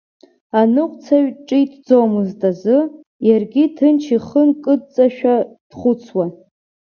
Аныҟәцаҩ ҿиҭӡомызт азы, иаргьы ҭынч, ихы нкыдҵашәа, дхәыцуан.